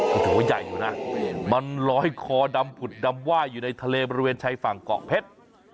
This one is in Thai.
ก็ถือว่าใหญ่อยู่นะมันลอยคอดำผุดดำไหว้อยู่ในทะเลบริเวณชายฝั่งเกาะเพชร